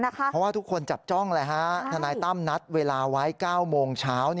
เพราะว่าทุกคนจับจ้องทนายตั้มนัดเวลาไว้๙โมงเช้า